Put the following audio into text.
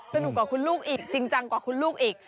สนุกกว่าคุณลูกอีกจริงจังกว่าคุณลูกอีก